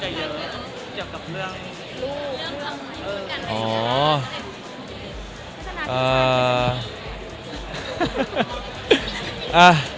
บาทนี้ค่อนข้างจะเยอะ